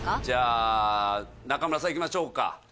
じゃあ中村さんいきましょうか。